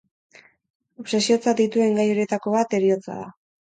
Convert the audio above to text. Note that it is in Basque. Obsesiotzat dituen gai horietako bat heriotza da.